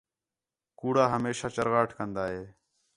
کُوڑا ہمیشاں چَرغاٹ کندا ہے